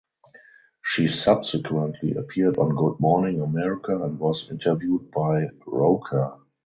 She subsequently appeared on Good Morning America and was interviewed by Roker.